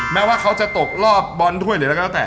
ไม่ว่าเขาจะตบรอบบอลทั่วเอกแล้วก็ตัวแต่